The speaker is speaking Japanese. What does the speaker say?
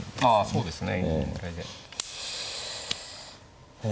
そうですね。